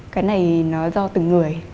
cái này nó do từng người